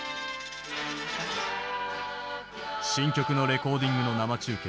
新曲のレコーディングの生中継。